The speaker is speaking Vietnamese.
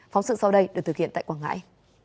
phóng sự sau đây được thực hiện tại quảng ngãi